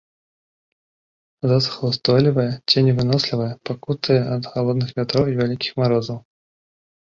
Засухаўстойлівая, ценевынослівая, пакутуе ад халодных вятроў і вялікіх марозаў.